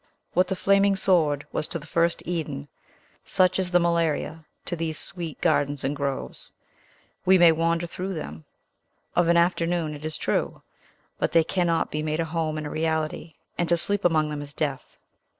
What the flaming sword was to the first Eden, such is the malaria to these sweet gardens and grove. We may wander through them, of an afternoon, it is true, but they cannot be made a home and a reality, and to sleep among them is death.